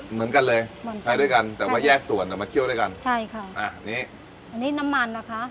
เหมือนกันเลยใช้ด้วยกันแต่ว่าแยกส่วนแต่มาเคี่ยวด้วยกันใช่ค่ะอ่านี่อันนี้น้ำมันนะคะ